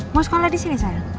mau sekolah disini sayang